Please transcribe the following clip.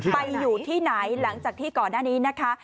ไปอยู่ที่ไหนหลังจากที่ก่อนหน้านี้นะคะ